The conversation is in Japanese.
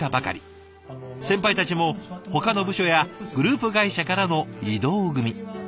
先輩たちもほかの部署やグループ会社からの異動組。